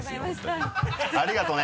ありがとね。